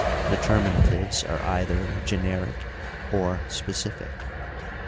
Determinatives are Gither generic or specific.